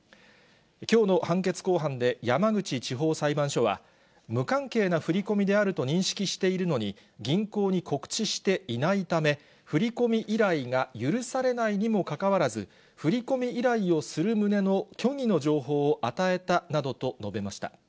きょうの判決公判で、山口地方裁判所は、無関係な振り込みであると認識しているのに、銀行に告知していないため、振り込み依頼が許されないにもかかわらず、振り込み依頼をする旨の虚偽の情報を与えたなどと述べました。